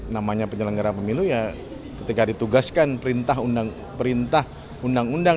namanya penyelenggara pemilu ya ketika ditugaskan perintah undang undang